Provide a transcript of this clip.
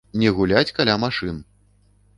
Не гуляць каля машын!